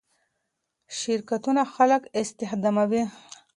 شرکتونه خلک استخداموي.